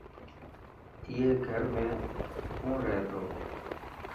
ائي گھر ۾ ڪون رهي ٿو.